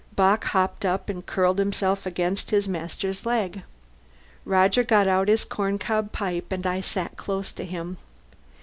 Bock hopped up and curled himself aginst his master's leg. Roger got out his corncob pipe, and I sat close to him.